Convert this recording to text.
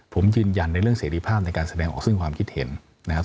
ผมยืนยันในเรื่องเสรีภาพในการแสดงออกซึ่งความคิดเห็นนะครับ